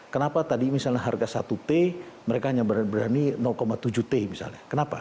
kenapa tadi misalnya harga satu t mereka hanya berani tujuh t misalnya kenapa